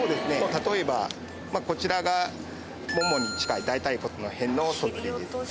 例えばまあこちらがももに近い大腿骨の辺のそずりです。